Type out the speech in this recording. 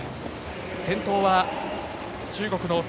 先頭は中国の鄭濤。